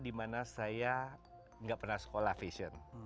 di mana saya nggak pernah sekolah fashion